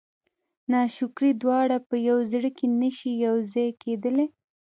ناشکري دواړه په یوه زړه کې نه شي یو ځای کېدلی.